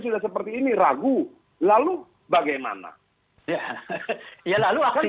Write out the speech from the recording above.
tidak undang undangnya lagi